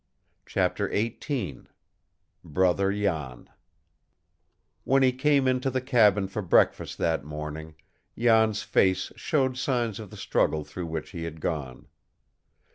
CHAPTER XVIII BROTHER JAN When he came into the cabin for breakfast that morning, Jan's face showed signs of the struggle through which he had gone.